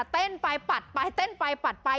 เต้นไปปัดไปเต้นไปปัดไป